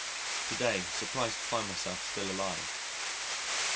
To day surprised to find myself still alive.